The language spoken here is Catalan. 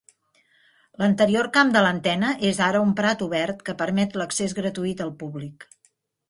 L'anterior camp de l'antena és ara un prat obert que permet l'accés gratuït al públic.